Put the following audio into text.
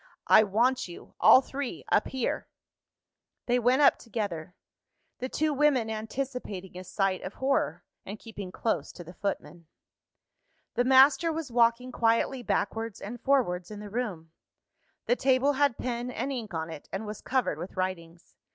"I want you, all three, up here." They went up together the two women anticipating a sight of horror, and keeping close to the footman. The master was walking quietly backwards and forwards in the room: the table had pen and ink on it, and was covered with writings.